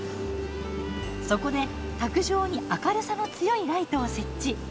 そこで卓上に明るさの強いライトを設置。